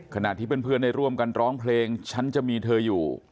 ขณะที่เพื่อนได้ร่วมกันร้องเพลงฉันจะมีเธออยู่